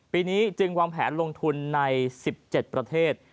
ปีนี้จึงวางแผนลงทุนใน๑๗ประเทศ